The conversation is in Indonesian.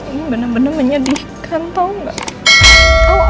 ini benar benar menyedihkan tau mbak